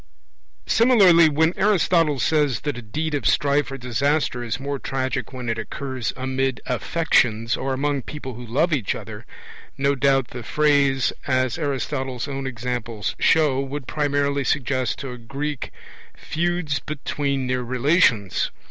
Similarly, when Aristotle says that a deed of strife or disaster is more tragic when it occurs 'amid affections' or 'among people who love each other', no doubt the phrase, as Aristotle's own examples show, would primarily suggest to a Greek feuds between near relations.